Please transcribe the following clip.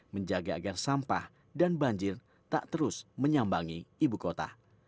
menjaga agar sampah dan banjir tak terus menyambangi ibu kota